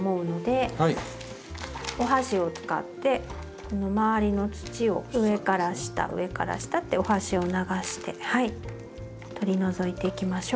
お箸を使ってこの周りの土を上から下上から下ってお箸を流して取り除いていきましょう。